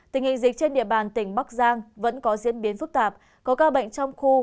tình hình dịch trên địa bàn tỉnh bắc giang vẫn có diễn biến phức tạp có ca bệnh trong khu